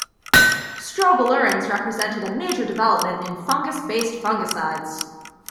Strobilurins represented a major development in fungus-based fungicides.